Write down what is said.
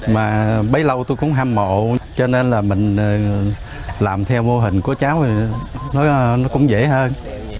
mà bấy lâu tôi cũng hâm mộ cho nên là mình làm theo mô hình của cháu thì nó cũng dễ hơn